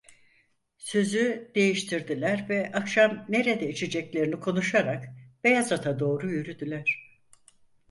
Sözü değiştirdiler ve akşam nerede içeceklerini konuşarak Beyazıt’a doğru yürüdüler.